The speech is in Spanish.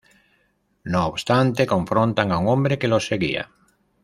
No obstante confrontan a un hombre que los seguía.